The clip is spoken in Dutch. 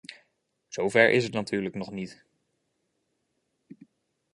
Zo ver is het natuurlijk nog niet.